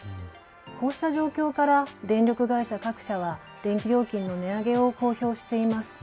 こうした状況から電力会社各社は電気料金の値上げを公表しています。